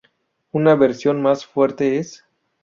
Una versión más fuerte es